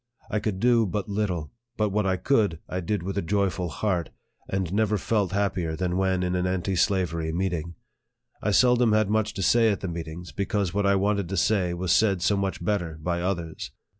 I could do but little ; but what I could, I did with a joyful heart, and never felt happier than when in an anti slavery meeting. I sel dom had much to say at the meetings, because what I wanted to say was said so much better by others.